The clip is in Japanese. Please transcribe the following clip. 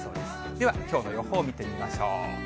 では、きょうの予報見てみましょう。